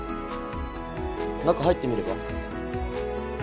中入ってみれば？